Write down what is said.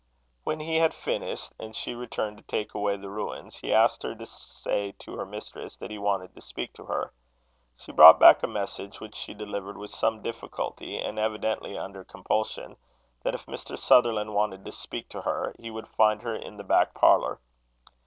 When he had finished, and she returned to take away the ruins, he asked her to say to her mistress that he wanted to speak to her. She brought back a message, which she delivered with some difficulty, and evidently under compulsion that if Mr. Sutherland wanted to speak to her, he would find her in the back parlour.